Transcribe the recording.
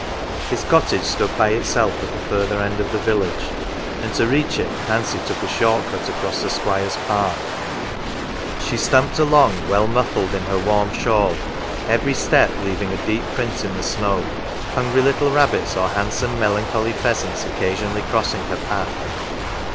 His cottage stood by itself at the further end of the village, and to reach it Nancy took a short cut across the Squire's park. She stumped along, 82 NANCY well muffled in her warm shawl ; every step leaving a deep print in the snow; hungry little rabbits, or handsome melancholy pheasants occasionally crossing her path.